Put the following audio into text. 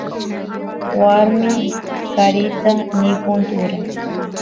warmi qarita nipun tura